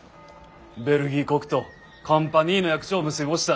ベルギー国とコンパニーの約定を結びもした。